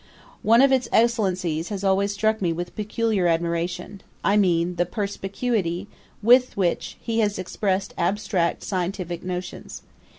One of its excellencies has always struck me with peculiar admiration: I mean the perspicuity with which he has expressed abstract scientifick notions.